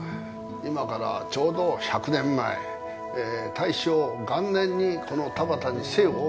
今からちょうど１００年前大正元年にこの田端に生を受けました。